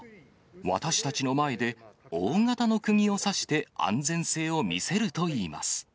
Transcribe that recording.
私たちの前で大型のくぎを刺して、安全性を見せるといいます。